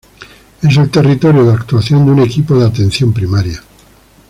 Es el territorio de actuación de un Equipo de Atención Primaria.